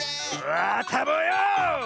あたぼうよ！